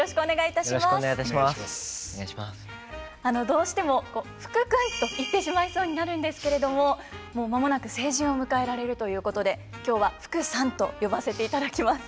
どうしても「福君」と言ってしまいそうになるんですけれども間もなく成人を迎えられるということで今日は「福さん」と呼ばせていただきます。